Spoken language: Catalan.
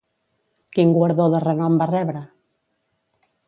Quin guardó de renom va rebre?